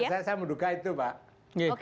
nah saya menduga saya menduga itu pak